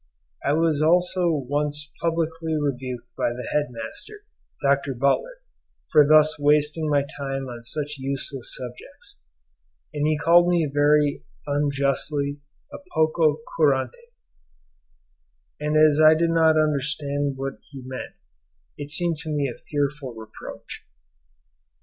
I was also once publicly rebuked by the head master, Dr. Butler, for thus wasting my time on such useless subjects; and he called me very unjustly a "poco curante," and as I did not understand what he meant, it seemed to me a fearful reproach.